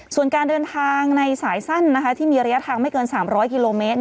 ส่วนการเดินทางในสายสั้นที่มีระยะทางไม่เกิน๓๐๐กิโลเมตร